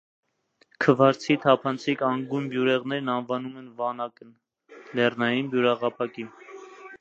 Քվարցի թափանցիկ անգույն բյուրեղներն անվանում են վանակն (լեռնային բյուրեղապակի)։